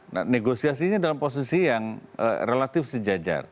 nah negosiasinya dalam posisi yang relatif sejajar